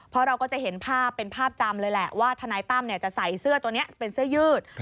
เพราะเราก็จะเห็นภาพเป็นภาพจำเลยแหละว่าทนายตั้มจะใส่เสื้อตัวนี้เป็นเสื้อยืด